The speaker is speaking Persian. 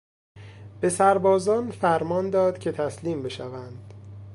به سربازان فرمان داد که تسلیم بشوند.